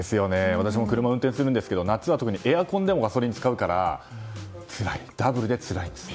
私も車を運転しますが夏は特にエアコンでガソリンを使うからダブルでつらいですよね。